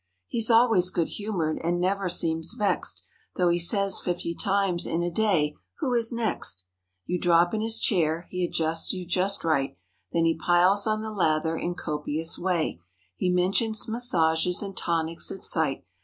He's always good humored and never seems vexed— Though he says fifty times in a day—"Who is next?" You drop in his chair—he adjusts you just right. Then he piles on the lather in copious way. He mentions massages and tonics, at sight.